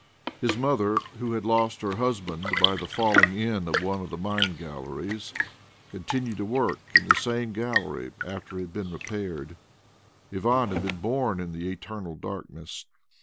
His mother, who had lost her husband by the falling in of one of the mine galleries, continued to work in the same gallery after it had been repaired. Ivan had been born in the eternal darkness.